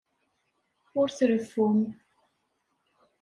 Ur treffum.